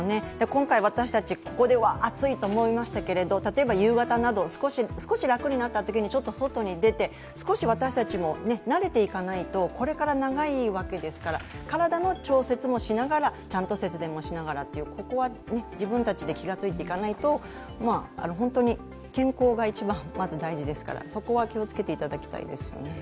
今回、私たち、ここで暑いと思いましたけれども、例えば夕方など少し楽になったときに外に出て少し私たちも慣れていかないとこれから長いわけですから体の調節もしながら、ちゃんと節電もしながらという、そこは自分たちで気が付いていかないと本当に健康が一番まず大事ですからそこは気をつけていただきたいですよね。